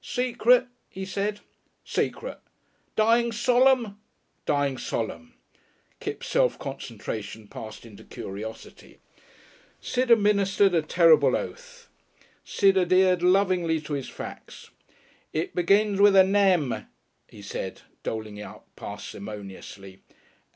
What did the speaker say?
"Secret?" he said. "Secret." "Dying solemn?" "Dying solemn!" Kipps' self concentration passed into curiosity. Sid administered a terrible oath. Even after that precaution he adhered lovingly to his facts. "It begins with a Nem," he said, doling them out parsimoniously.